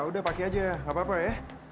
udah pakai aja gak apa apa ya